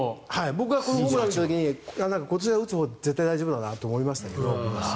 僕がこのホームランを打った時にこっち打つのは絶対大丈夫だなと思いましたけど。